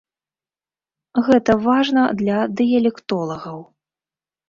Гэта важна для дыялектолагаў.